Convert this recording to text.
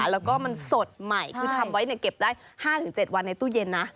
แล้วก็มันสดใหม่คือทำไว้เก็บได้๕๗วันในตู้เย็นนะ